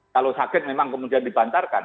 kalau sakit memang kemudian dibantarkan